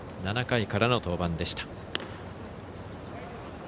７回からの登板でした。